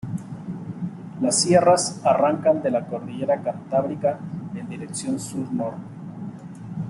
Las sierras arrancan de la cordillera Cantábrica en dirección sur-norte.